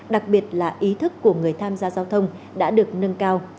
đặc biệt là ý thức của người tham gia giao thông đã được nâng cao